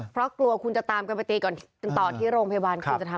เพราะกลัวคุณจะตามกันไปตีกันต่อที่โรงพยาบาล